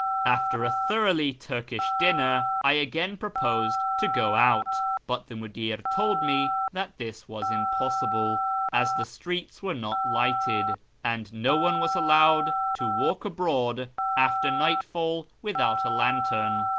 After a thoroughly Turkish dinner, I again proposed to go out, but the mudir told me that this was impossible, as the streets were not lighted, and no one was allowed to walk abroad after nightfall without a lantern.